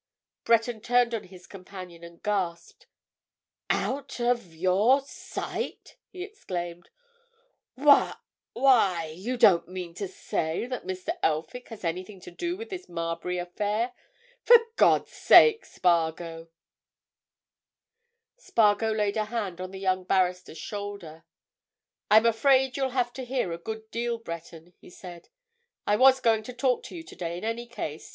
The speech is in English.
Breton turned on his companion and gasped. "Out—of—your—sight!" he exclaimed. "Why—why—you don't mean to say that Mr. Elphick has anything to do with this Marbury affair? For God's sake, Spargo——" Spargo laid a hand on the young barrister's shoulder. "I'm afraid you'll have to hear a good deal, Breton," he said. "I was going to talk to you today in any case.